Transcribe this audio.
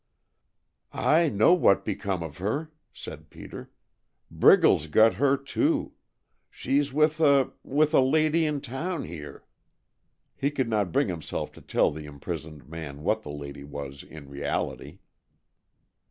"I know what become of her," said Peter. "Briggles got her, too. She's with a with a lady in town here." He could not bring himself to tell the imprisoned man what the lady was in reality.